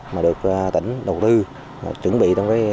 mà được tỉnh đầu tư chuẩn bị trong thời gian này